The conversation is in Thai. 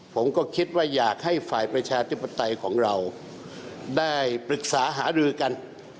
ผมก็คิดว่าอยากให้ฝ่ายประชาธิปไตยของเราได้ปรึกษาหารือกัน